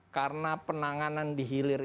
karena penanganan dihilirkan